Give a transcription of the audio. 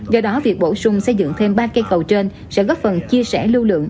do đó việc bổ sung xây dựng thêm ba cây cầu trên sẽ góp phần chia sẻ lưu lượng